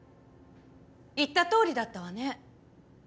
言ったとおりだったわね。